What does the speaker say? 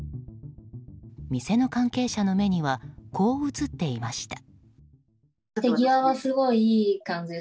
店の関係者の目にはこう映っていました。